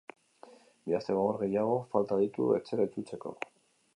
Bi aste gogor gehiago falta ditu etxera itzultzeko.